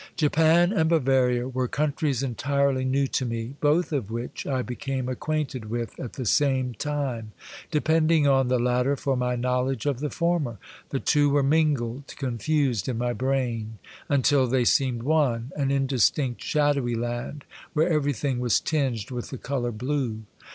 Japan and Bavaria were countries entirely new to me, both of which I became ac quainted with at the same time, depending on the latter for my knowledge of the former ; the two were mingled confused, in my brain, until they The Blind Emperor, 319 seemed one, an indistinct, shadowy land where everything was tinged with the color blue.